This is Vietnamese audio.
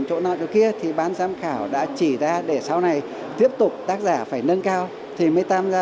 chỗ nào chỗ kia thì ban giám khảo đã chỉ ra để sau này tiếp tục tác giả phải nâng cao thì mới tham gia